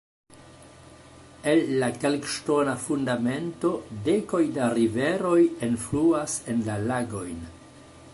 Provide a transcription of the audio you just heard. El la kalkŝtona fundamento dekoj da riveroj enfluas en la lagojn.